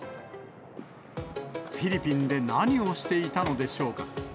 フィリピンで何をしていたのでしょうか。